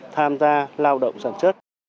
tham gia lao động sản xuất